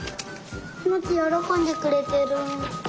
モチよろこんでくれてる。